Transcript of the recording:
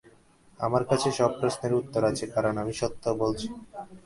আমার কাছে সব প্রশ্নের উত্তর আছে কারণ আমি সত্যি বলছি।